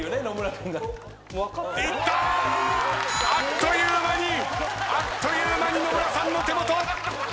あっという間にあっという間に野村さんの手元。